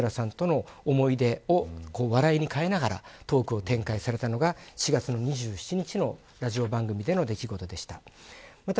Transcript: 志村さんが亡くなって２年たったことで志村さんとの思い出を笑いに変えながらトークを展開されたのが４月２７日のラジオ番組での出来事でした。